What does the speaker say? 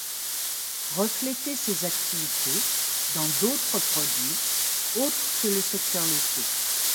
Refléter ses activités dans d'autres produits autres que le secteur laitier.